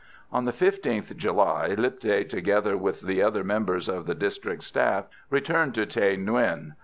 On the 15th July, Lipthay, together with the other members of the district staff, returned to Thaï Nguyen.